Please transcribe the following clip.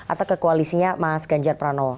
atau ke koalisinya mas ganjar pranowo